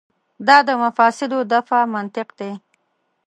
دا د مفاسدو دفع منطق دی.